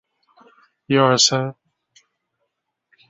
我们还有很多贷款要还